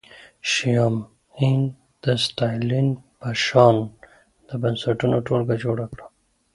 شیام عین د ستالین په شان د بنسټونو ټولګه جوړه کړه